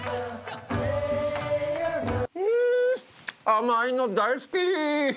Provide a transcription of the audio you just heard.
甘いの大好き！